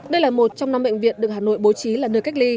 đây là một trong năm bệnh viện được hà nội bố trí là nơi cách ly